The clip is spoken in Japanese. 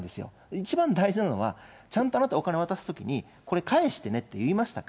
一番大事なのは、ちゃんとあなた、お金渡すときにこれ、返してねって言いましたか？